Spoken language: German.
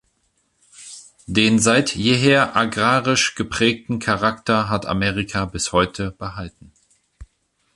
Den seit jeher agrarisch geprägten Charakter hat America bis heute behalten.